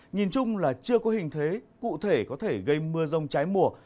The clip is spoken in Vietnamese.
nhìn chung là chưa có hình thế cụ thể có thể gây mưa rông trái mùa